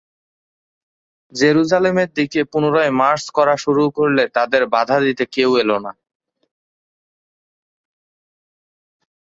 জেরুসালেমের দিকে পুনরায় মার্চ করা শুরু করলে, তাদের বাধা দিতে কেউ এলো না।